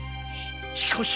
しかし。